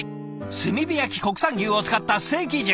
炭火焼き国産牛を使ったステーキ重。